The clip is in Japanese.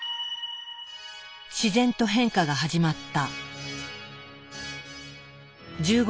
自然と変化が始まった。